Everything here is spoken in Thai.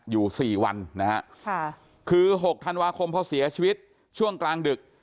อยู่สี่วันนะฮะค่ะคือ๖ธันวาคมพอเสียชีวิตช่วงกลางดึก